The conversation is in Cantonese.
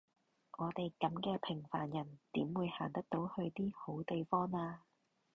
我哋噉嘅平凡人點會行得到去啲好地方呀？